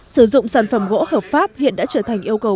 sử dụng sản phẩm gỗ hợp pháp hiện đã trở thành yêu cầu